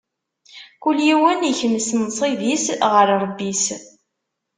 Kul yiwen ikmes nnṣib-is ɣeṛ Ṛebbi.